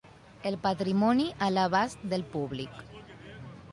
El patrimoni a l'abast del públic.